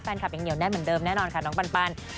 แฟนคลับอย่างเหนียวแน่นเหมือนเดิมแน่นอนค่ะน้องปัน